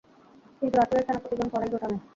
কিন্তু রাসূলের সেনাপতিগণ পড়েন দোটানায়।